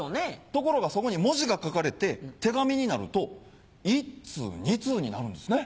ところがそこに文字が書かれて手紙になると１通２通になるんですね。